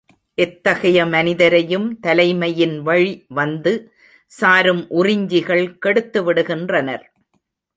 எத்தகைய மனிதரையும் தலைமையின் வழி வந்து சாரும் உறிஞ்சிகள் கெடுத்துவிடுகின்றனர்.